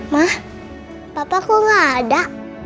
ma papa kok gak ada